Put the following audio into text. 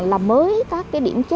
làm mới các cái điểm sản phẩm